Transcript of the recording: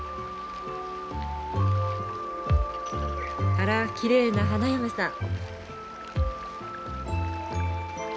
あらきれいな花嫁さん。